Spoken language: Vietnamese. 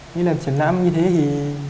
như là chuyển láp như thế thì